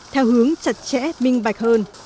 theo hướng chặt chẽ minh bạch hơn